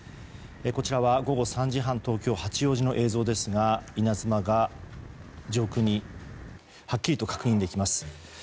こちらは午後３時半東京・八王子の映像ですが稲妻が上空にはっきりと確認できます。